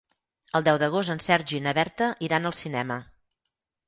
El deu d'agost en Sergi i na Berta iran al cinema.